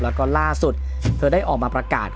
แล้วก็ล่าสุดเธอได้ออกมาประกาศ